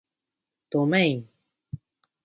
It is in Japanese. どめいん